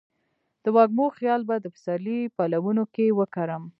د وږمو خیال به د سپرلي پلونو کې وکرمه